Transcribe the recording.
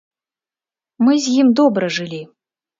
Мы з ім добра жылі.